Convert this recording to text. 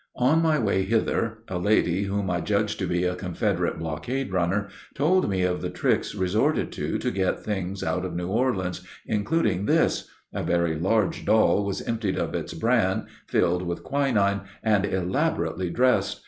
On my way hither a lady, whom I judged to be a Confederate "blockade runner," told me of the tricks resorted to to get things out of New Orleans, including this: A very large doll was emptied of its bran, filled with quinine, and elaborately dressed.